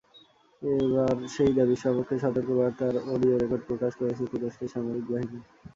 এবার সেই দাবির সপক্ষে সতর্কবার্তার অডিও রেকর্ড প্রকাশ করেছে তুরস্কের সামরিক বাহিনী।